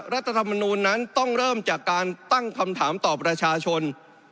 รัฐธรรมนูลนั้นต้องเริ่มจากการตั้งคำถามต่อประชาชน